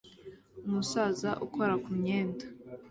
Umusaza ukora kumyenda